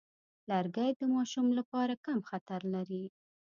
لرګی د ماشوم لپاره کم خطر لري.